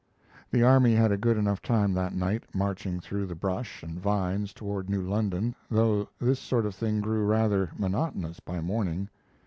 The army had a good enough time that night, marching through the brush and vines toward New London, though this sort of thing grew rather monotonous by morning.